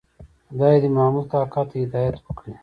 خدای دې محمود کاکا ته هدایت وکړي.